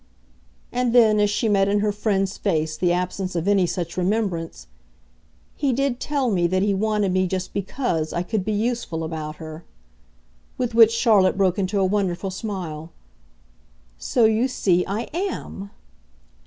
And then as she met in her friend's face the absence of any such remembrance: "He did tell me that he wanted me just BECAUSE I could be useful about her." With which Charlotte broke into a wonderful smile. "So you see I AM!"